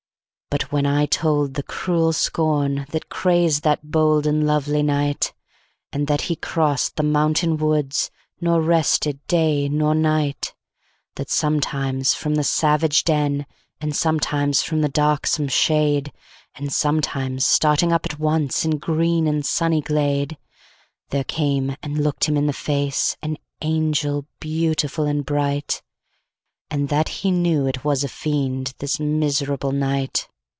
But when I told the cruel scornThat crazed that bold and lovely Knight, And that he cross'd the mountain woods, Nor rested day nor night; That sometimes from the savage den, And sometimes from the darksome shade, And sometimes starting up at onceIn green and sunny glade, There came and look'd him in the faceAn angel beautiful and bright; And that he knew it was a Fiend, This miserable Knight!